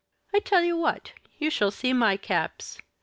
I tell you what, you shall see my caps.